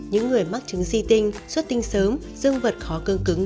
những người mắc trứng di tinh suất tinh sớm dương vật khó cơm cứng